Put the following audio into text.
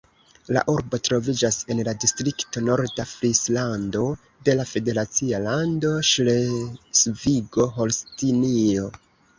La urbo troviĝas en la distrikto Norda Frislando de la federacia lando Ŝlesvigo-Holstinio.